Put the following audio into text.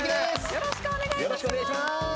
よろしくお願いします。